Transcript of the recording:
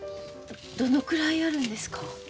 どのくらいあるんですか？